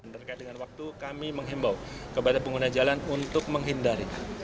terkait dengan waktu kami menghimbau kepada pengguna jalan untuk menghindari